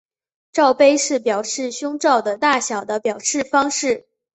罩杯是表示胸罩的大小的表示方式。